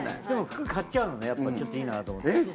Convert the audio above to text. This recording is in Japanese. でも服買っちゃうのねやっぱちょっといいなと思って。